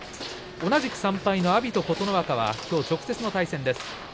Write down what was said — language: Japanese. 同じく３敗の阿炎と琴ノ若直接の対戦です。